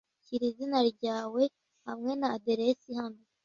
Shyira izina ryawe hamwe na aderesi hano.